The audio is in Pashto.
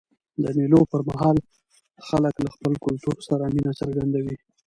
د مېلو پر مهال خلک له خپل کلتور سره مینه څرګندوي.